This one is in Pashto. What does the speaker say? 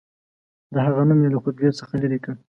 د هغه نوم یې له خطبې څخه لیري کړ.